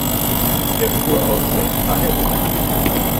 Er fuhr auch Sechstagerennen.